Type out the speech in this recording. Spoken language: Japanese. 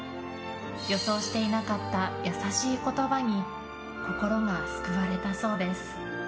予想していなかった優しい言葉に心が救われたそうです。